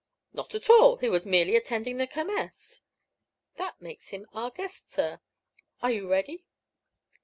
"Not at all. He was merely attending the Kermess." "That makes him our guest, sir. Are you ready?"